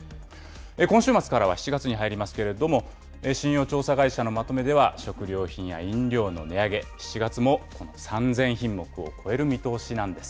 今週末からは７月に入りますけれども、信用調査会社のまとめでは、食料品や飲料の値上げ、７月も３０００品目を超える見通しなんです。